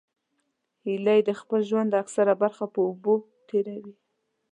هیلۍ د خپل ژوند اکثره برخه په اوبو تېروي